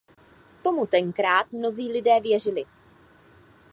Tomu tenkrát mnozí lidé věřili.